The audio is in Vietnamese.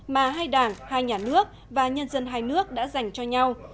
mà hai đảng hai nhà nước và nhân dân hai nước đã dành cho nhau